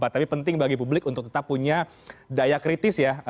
tapi penting bagi publik untuk tetap punya daya kritis ya